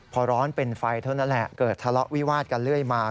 พอร้อนเป็นไฟเท่านั้นแหละเกิดทะเลาะวิวาดกันเรื่อยมา